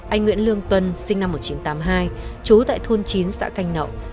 anh nguyễn lương tuân sinh năm một nghìn chín trăm tám mươi hai trú tại thôn chín xã canh nậu